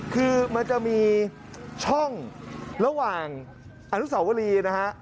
คือมันจะมีช่องระหว่างอนุสาวรีนะฮะ